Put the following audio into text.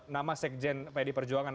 nama sekjen pd perjuangan